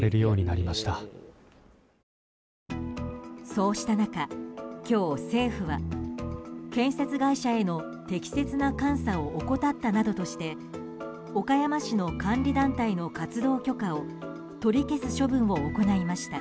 そうした中、今日政府は建設会社への適切な監査を怠ったなどとして岡山市の管理団体の活動許可を取り消す処分を行いました。